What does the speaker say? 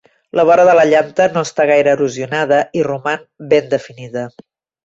La vora de la llanta no està gaire erosionada i roman ben definida.